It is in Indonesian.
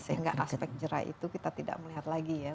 sehingga aspek jerai itu kita tidak melihat lagi ya